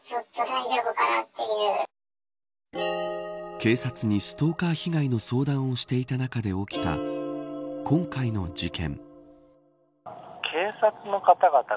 警察にストーカー被害の相談をしていた中で起きた今回の事件。